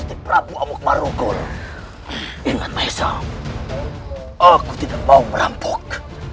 ingat maesha aku tidak mau merampok